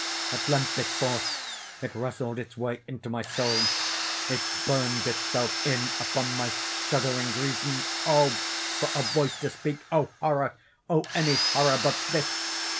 At length it forced—it wrestled its way into my soul—it burned itself in upon my shuddering reason. Oh! for a voice to speak!—oh! horror!—oh! any horror but this!